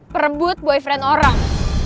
perebut boyfriend orang